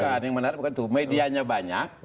bukan yang menarik bukan itu medianya banyak